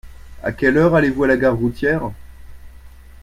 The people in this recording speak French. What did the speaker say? À quelle heure allez-vous à la gare routière ?